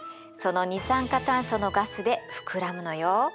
その二酸化炭素のガスで膨らむのよ。